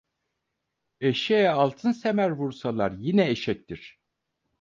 Eşeğe altın semer vursalar yine eşektir.